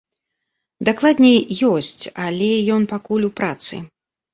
Дакладней, ёсць, але ён пакуль у працы.